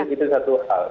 itu satu hal